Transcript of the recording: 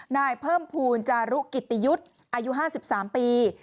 นายเพิ่มภูมิจารุกิติยุทธ์อายุ๕๓ปี